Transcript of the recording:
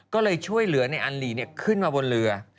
ก็เลยช่วยเหลือในอัลหลีขึ้นมาบนเรือ